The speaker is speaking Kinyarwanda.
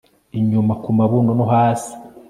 inyuma kumabuno no hasi